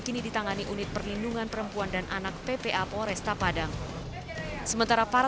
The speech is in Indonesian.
kini ditangani unit perlindungan perempuan dan anak ppa poresta padang sementara para